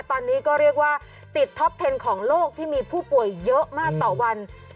ตอนนี้ก็เรียกว่าติดท็อปเทนของโลกที่มีผู้ป่วยเยอะมากต่อวัน